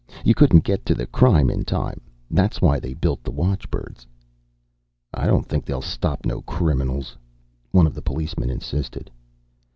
You couldn't get to the crime in time. That's why they built the watchbirds." "I don't think they'll stop no criminals," one of the policemen insisted.